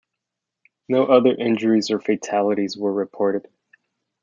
No other injuries or fatalities were reported.